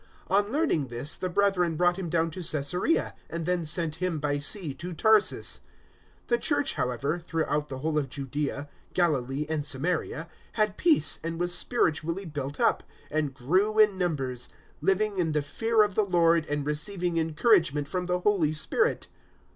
On learning this, the brethren brought him down to Caesarea, and then sent him by sea to Tarsus. 009:031 The Church, however, throughout the whole of Judaea, Galilee and Samaria, had peace and was spiritually built up; and grew in numbers, living in the fear of the Lord and receiving encouragement from the Holy Spirit.